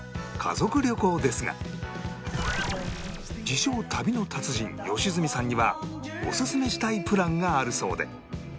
自称旅の達人良純さんにはオススメしたいプランがあるそうで